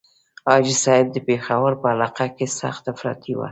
حاجي صاحب د پېښور په علاقه کې سخت افراطي وو.